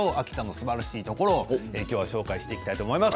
すばらしいところを今日はご紹介していきたいと思います。